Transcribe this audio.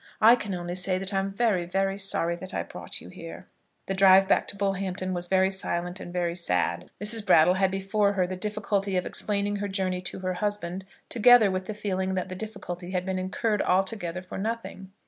I can only say that I am very, very sorry that I brought you here." The drive back to Bullhampton was very silent and very sad. Mrs. Brattle had before her the difficulty of explaining her journey to her husband, together with the feeling that the difficulty had been incurred altogether for nothing.